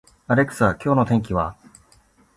アレクサ、今日の天気は